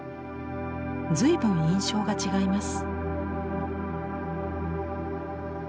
随分印象が違います。